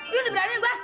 lu diberanin gua